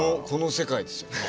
この世界ですよ